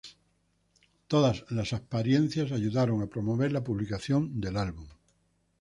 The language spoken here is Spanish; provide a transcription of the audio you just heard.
Todas las apariencias ayudaron a promover la publicación del álbum.